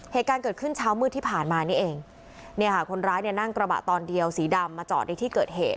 เหตุการณ์เกิดขึ้นเช้ามืดที่ผ่านมานี่เองเนี่ยค่ะคนร้ายเนี่ยนั่งกระบะตอนเดียวสีดำมาจอดในที่เกิดเหตุ